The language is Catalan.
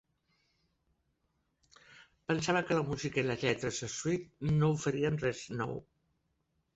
Pensava que la música i les lletres de Suede no oferien res nou.